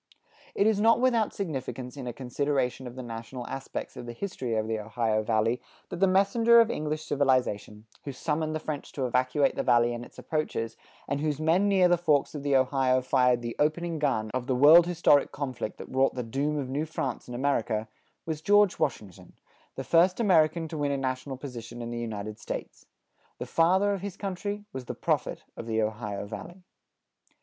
It is not without significance in a consideration of the national aspects of the history of the Ohio Valley, that the messenger of English civilization, who summoned the French to evacuate the Valley and its approaches, and whose men near the forks of the Ohio fired the opening gun of the world historic conflict that wrought the doom of New France in America, was George Washington, the first American to win a national position in the United States. The father of his country was the prophet of the Ohio Valley.